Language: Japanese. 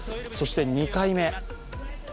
そして２回目。